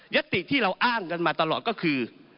ติที่เราอ้างกันมาตลอดก็คือ